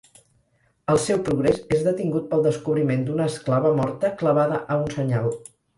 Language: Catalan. El seu progrés és detingut pel descobriment d'una esclava morta clavada a un senyal.